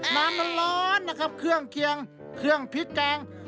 น้ำร้อนนะครับเครื่องเคียงเครื่องพริกแกง